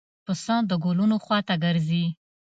پسه د ګلونو خوا ته ګرځي.